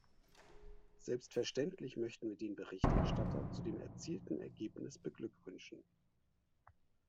Selbstverständlich möchten wir den Berichterstatter zu dem erzielten Ergebnis beglückwünschen.